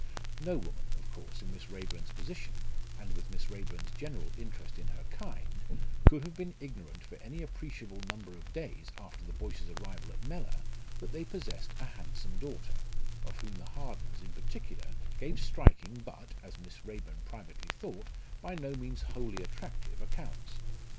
No woman, of course, in Miss Raeburn's position, and with Miss Raeburn's general interest in her kind, could have been ignorant for any appreciable number of days after the Boyces' arrival at Mellor that they possessed a handsome daughter, of whom the Hardens in particular gave striking but, as Miss Raeburn privately thought, by no means wholly attractive accounts.